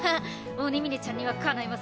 尾根峰ちゃんにはかないませんなぁ。